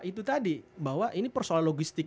itu tadi bahwa ini persoalan logistik